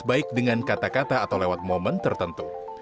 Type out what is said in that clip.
baik dengan kata kata atau lewat momen tertentu